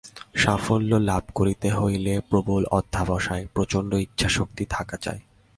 সাফল্য লাভ করিতে হইলে প্রবল অধ্যবসায়, প্রচণ্ড ইচ্ছাশক্তি থাকা চাই।